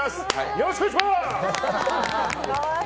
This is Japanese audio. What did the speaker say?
よろしくお願いします！